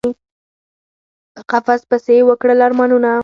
په قفس پسي یی وکړل ارمانونه